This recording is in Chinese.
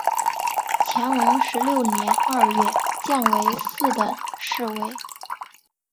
乾隆十六年二月降为四等侍卫。